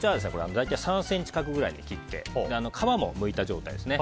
３ｃｍ角ぐらいに切って皮もむいた状態です。